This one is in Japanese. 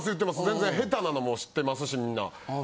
全然下手なのも知ってますしみんな。